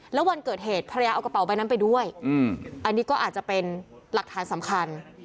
แล้ววันเกิดเหตุภรรยาเอากระเป๋าใบนั้นไปด้วยอันนี้ก็อาจจะเป็นหลักฐานสำคัญ